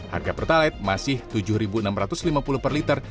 harga pertalite masih rp tujuh enam ratus lima puluh per liter